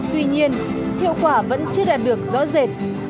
tuy nhiên hiệu quả vẫn chưa đạt được rõ rệt